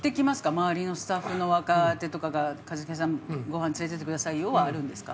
周りのスタッフの若手とかが「一茂さんご飯連れていってくださいよ」はあるんですか？